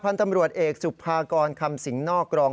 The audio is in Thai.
พันธ์ตำรวจเอกสุภากรคำสิงหนอกรอง